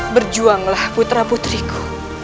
berjuanglah putra putriku